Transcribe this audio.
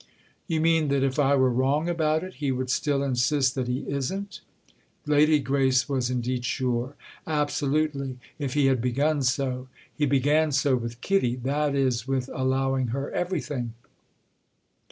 "You mean that if I were wrong about it he would still insist that he isn't?" Lady Grace was indeed sure. "Absolutely—if he had begun so! He began so with Kitty—that is with allowing her everything."